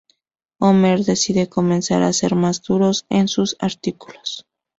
Homer decide comenzar a ser más duros en sus artículos.